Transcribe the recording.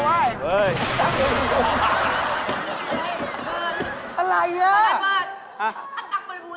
หนูจะไปหาซื้อที่ไหนอ่ะ